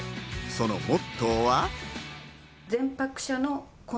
そのモットーは。